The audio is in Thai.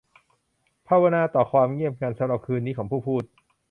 ภาวนาต่อความเงียบงันสำหรับคืนนี้ของผู้พูด